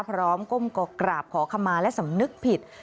พร้อมก้มกราบขอคำมาและสำนึกผิด